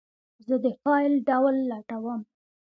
زه د فایل ډول لټوم.